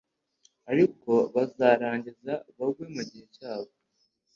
Ariko bazarangiza bagwe mugihe cyabo